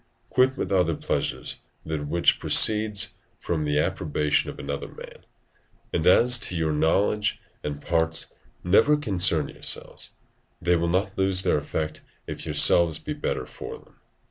Quit with other pleasures that which proceeds from the approbation of another man: and as to your knowledge and parts, never concern yourselves; they will not lose their effect if yourselves be the better for them.